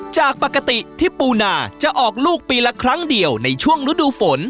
จากปกติที่ปูนาจะออกลูกปีละครั้งเดียวในช่วงฤดูฝน